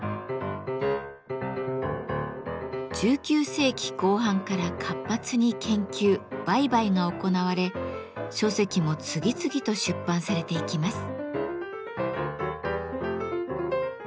１９世紀後半から活発に研究売買が行われ書籍も次々と出版されていきます。